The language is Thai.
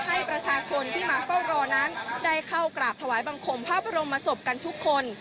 ให้ประชาชนที่มาเฝ้ารอนั้นได้เข้ากราบถวายบังคมพระบรมศพกันทุกคน